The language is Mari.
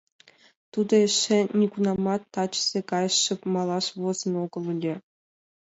Тудо эше нигунамат тачысе гай шып малаш возын огыл ыле.